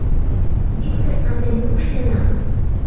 Виктыр, ынде мом ыштена?